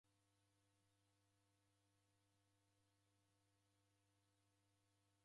Angu Daw'ida ni mighondinyi mbeo yaw'etagha sana.